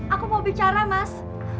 aku mau bicara mas